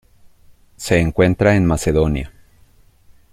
Se encuentra en Macedonia.